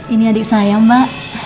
ini adik saya mbak